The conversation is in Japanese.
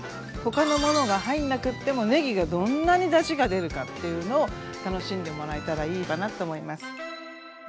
他のものが入んなくってもねぎがどんなにだしが出るかっていうのを楽しんでもらえたらいいかなと思います。